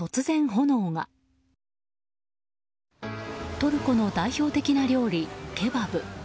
トルコの代表的な料理、ケバブ。